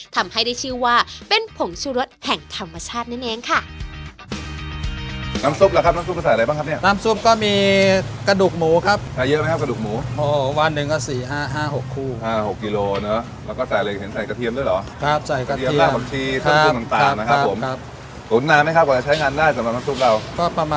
ทำให้ได้ชื่อว่าเป็นผงชุรสแห่งธรรมชาตินั่นเองค่ะ